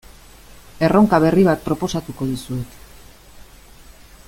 Erronka berri bat proposatuko dizuet.